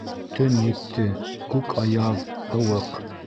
Төн етте, күк аяҙ, һыуыҡ.